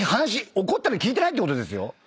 怒ったの効いてないってことですよ。